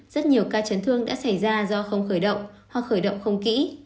rất nhiều ca chấn thương đã xảy ra do không khởi động hoặc khởi động không kỹ